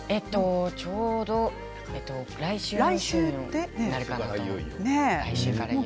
ちょうど来週来週になるかなと思います。